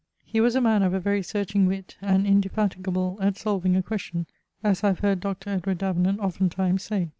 He was a man of a very searching witt, and indefatigable at solving a question, as I have heard Dr. Edward Davenant oftentimes say.